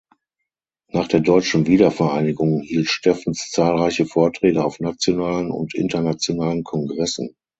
Nach der deutschen Wiedervereinigung hielt Steffens zahlreiche Vorträge auf nationalen und internationalen Kongressen.